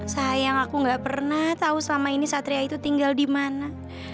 sayang aku gak pernah tau selama ini satria itu tinggal dimana